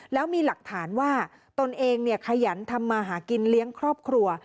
แล้วมีหลักฐานว่าตนเองขยันทำมาหากินเลี้ยงครอบครัว